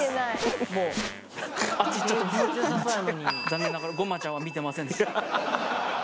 残念ながらごまちゃんは見てませんでした